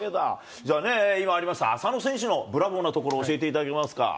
じゃあね、今ありました、浅野選手のブラボーなところを教えていただけますか。